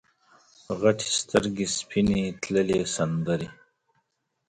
غټ سترګې سپینې تللې سندرې